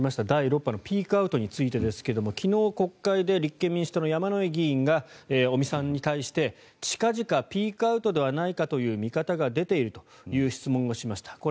第６波のピークアウトについてですが昨日、国会で立憲民主党の山井議員が尾身さんに対して近々ピークアウトではないかという見方が出ているという質問をしました。